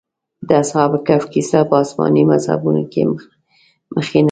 د اصحاب کهف کيسه په آسماني مذهبونو کې مخینه لري.